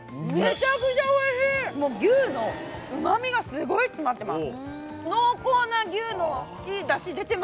もう牛の旨味がすごい詰まってます